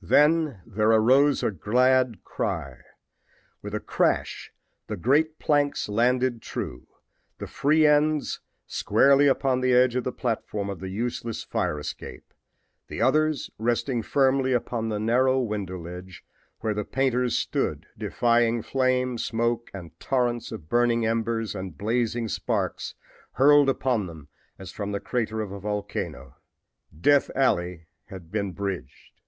Then there arose a glad cry. With a crash the great planks landed true, the free ends squarely upon the edge of the platform of the useless fire escape, the others resting firmly upon the narrow window ledge where the painters stood defying flame, smoke and torrents of burning embers and blazing sparks hurled upon them as from the crater of a volcano. Death alley had been bridged!